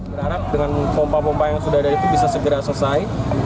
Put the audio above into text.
berharap dengan pompa pompa yang sudah ada itu bisa segera selesai